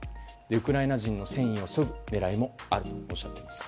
ウクライナ人の戦意をそぐ狙いもあるとおっしゃっています。